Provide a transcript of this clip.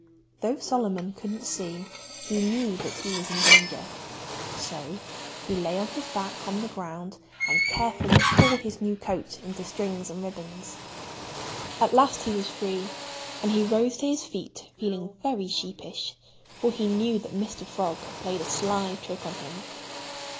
Though Solomon couldn't see, he knew that he was in danger. So he lay on his back on the ground and carefully tore his new coat into strings and ribbons. At last he was free. And he rose to his feet feeling very sheepish, for he knew that Mr. Frog had played a sly trick on him.